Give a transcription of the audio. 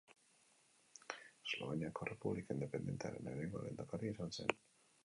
Esloveniako Errepublika independentearen lehenengo lehendakaria izan zen.